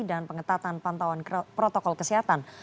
dan pengetatan pantauan protokol kesehatan